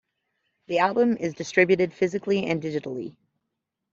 The album is distributed physically and digitally.